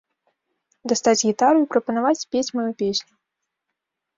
Дастаць гітару і прапанаваць спець маю песню.